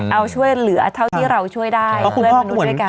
เอาช่วยเหลือเท่าที่เราช่วยได้เพื่อนมนุษย์ด้วยกัน